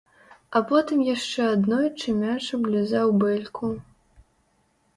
А потым яшчэ аднойчы мяч аблізаў бэльку.